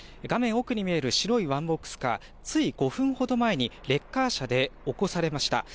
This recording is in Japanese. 奥に見える白いワンボックスカー、つい５分ほど前にレッカー車で起こされました。